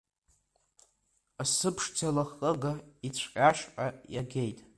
Асы ԥшӡа лахкыга ицҟьашәҟьа иагеит.